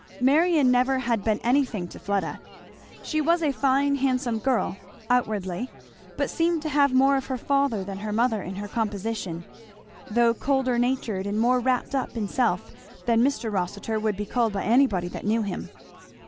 Marion never had been anything to Fleda. She was a fine handsome girl, outwardly, but seemed to have more of her father than her mother in her composition, though colder natured and more wrapped up in self than Mr. Rossitur would be called by anybody that knew him.